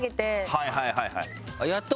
はいはいはいはい。